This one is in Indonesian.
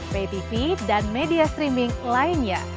btv dan media streaming lainnya